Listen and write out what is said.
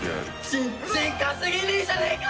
全然稼げねえじゃねえか！